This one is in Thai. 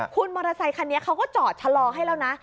คุณมอเตอร์ไซคันนี้เขาก็จอดชะลอให้แล้วนะ